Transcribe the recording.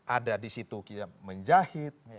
ada di situ menjahit